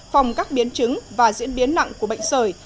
phòng các biến chứng và diễn biến nặng của bệnh sởi